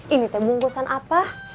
ini teh bungkusan apa